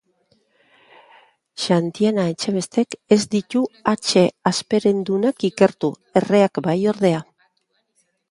Xantiana Etxebestek ez ditu hatxe hasperendunak ikertu, erreak bai ordea.